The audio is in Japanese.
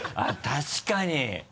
確かに！